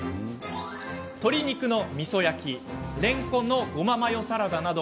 鶏肉のみそ焼きレンコンのごまマヨサラダなど。